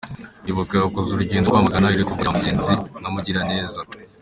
Ibuka yakoze urugendo rwo kwamagana irekurwa rya Mugenzi na Mugiraneza